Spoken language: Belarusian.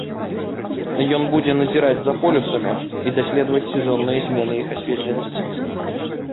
Ён будзе назіраць за полюсамі і даследаваць сезонныя змены іх асветленасці.